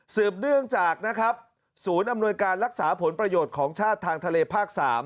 เนื่องจากนะครับศูนย์อำนวยการรักษาผลประโยชน์ของชาติทางทะเลภาค๓